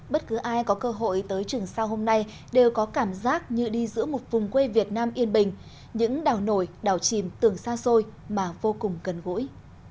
bất cứ ai có cơ hội tới trường sao hôm nay đều có cảm giác như đi giữa một vùng quê việt nam yên bình những đảo nổi đảo chìm tường xa xôi mà vô cùng cần gũi